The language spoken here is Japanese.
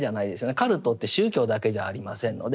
カルトって宗教だけじゃありませんので。